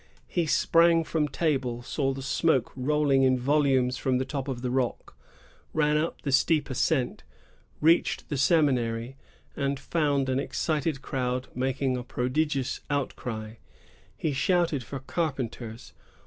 He sprang from table, saw the smoke rolling in volumes from the top of the rock, ran up the steep ascent, reached the seminary, and found an excited crowd making a prodigious outcry. He shouted for carpenters.